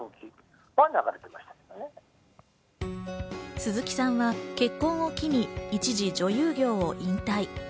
鈴木さんは結婚を機に一時、女優業を引退。